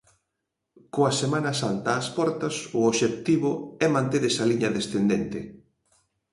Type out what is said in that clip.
Coa Semana Santa ás portas o obxectivo é manter esa liña descendente.